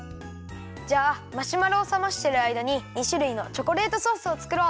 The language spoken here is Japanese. じゃあマシュマロをさましてるあいだに２しゅるいのチョコレートソースをつくろう。